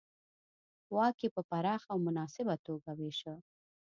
واک یې په پراخه او مناسبه توګه وېشه.